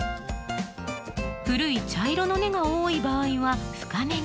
古い茶色の根が多い場合は深めに。